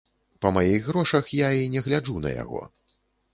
Па маіх грошах я і не гляджу на яго.